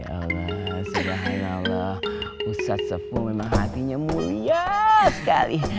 ya allah surah allah ustadz sepuh memang hatinya mulia sekali